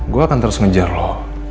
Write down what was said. gue akan terus ngejar loh